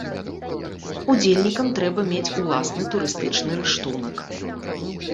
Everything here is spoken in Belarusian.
Удзельнікам трэба мець уласны турыстычны рыштунак.